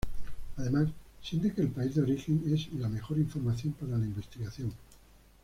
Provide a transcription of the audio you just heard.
Además, siente que el país de origen es la mejor información para la investigación.